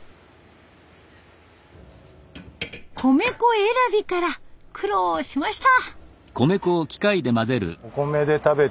米粉選びから苦労しました。